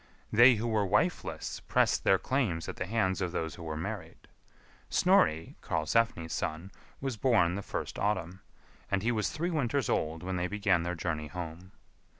They who were wifeless pressed their claims at the hands of those who were married. Snorri, Karlsefni's son, was born the first autumn, and he was three winters old when they began their journey home.